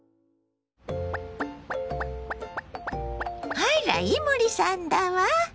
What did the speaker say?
あら伊守さんだわ！